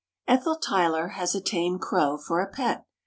Ethel Tyler has a tame crow for a pet.